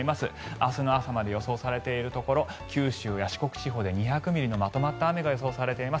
明日の朝まで予想されているところ九州や四国地方で２００ミリのまとまった雨が予想されています。